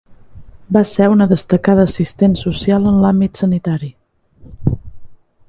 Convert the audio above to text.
Va ser una destacada assistent social en l'àmbit sanitari.